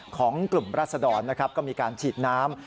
ของกลุ่มรัศดรนะครับก็มีการฉีดน้ำ